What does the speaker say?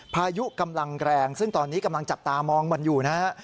พายุกำลังแรงซึ่งตอนนี้กำลังจับตามองมันอยู่นะฮะ